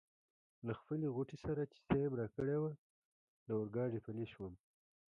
له خپلې غوټې سره چي سیم راکړې وه له اورګاډي پلی شوم.